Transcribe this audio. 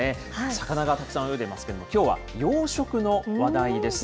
魚がたくさん泳いでいますけれども、きょうは養殖の話題です。